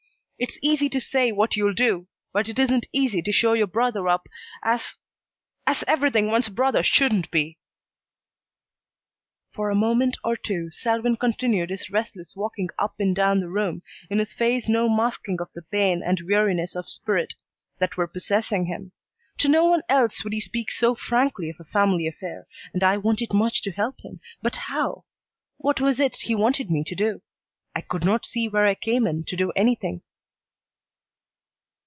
It's easy to say what you'll do, but it isn't easy to show your brother up as as everything one's brother shouldn't be." For a moment or two Selwyn continued his restless walking up and down the room, in his face no masking of the pain and weariness of spirit that were possessing him. To no one else would he speak so frankly of a family affair, and I wanted much to help him, but how? What was it he wanted me to do? I could not see where I came in to do anything.